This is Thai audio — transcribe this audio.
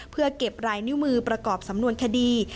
เพื่อเก็บลายนิ้วมือประกอบสำนวนคดี